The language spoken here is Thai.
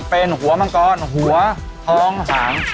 เป็นหัวมังกรหัวท้องหาง